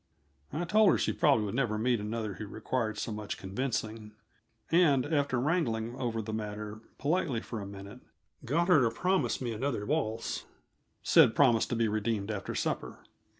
I told her she probably would never meet another who required so much convincing, and, after wrangling over the matter politely for a minute, got her to promise me another waltz, said promise to be redeemed after supper.